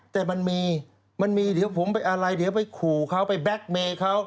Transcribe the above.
แต่มันมีมันมีเดี๋ยวผมไปอะไรเดี๋ยวไปขู่เขาไปแล็คเมย์เขา